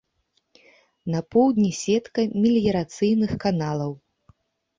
На поўдні сетка меліярацыйных каналаў.